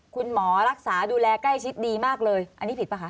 คุณหมอรักษาดูแลใกล้ชิดดีมากเลยอันนี้ผิดป่ะคะ